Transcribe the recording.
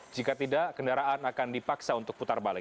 jika tidak kendaraan akan dipaksa untuk putar balik